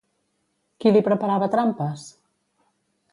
Qui li preparava trampes?